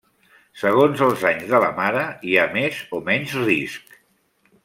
Segons els anys de la mare hi ha més o menys risc.